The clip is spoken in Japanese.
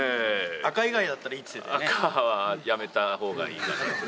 赤以外だったらいいって言っ赤はやめたほうがいいかな。